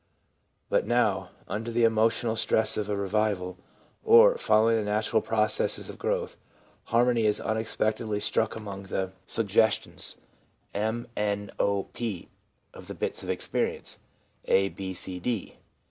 But now, under the emotional stress of a revival, or following the natural processes of growth, harmony is unexpectedly struck among the 9 no THE PSYCHOLOGY OF RELIGION suggestions m } n, o y p of the bits of experience, A, B, C, D.